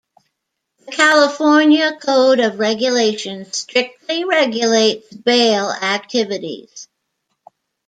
The California Code of Regulations strictly regulates bail activities.